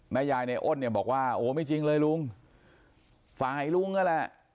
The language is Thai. ยายในอ้นเนี่ยบอกว่าโอ้ไม่จริงเลยลุงฝ่ายลุงนั่นแหละ